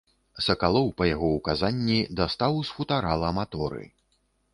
Сакалоў па яго ўказанні дастаў з футарала маторы.